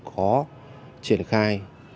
khó triển khai